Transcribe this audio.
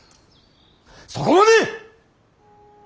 そこまで！